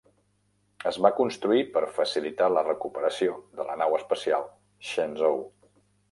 Es va construir per facilitar la recuperació de la nau espacial Shenzhou.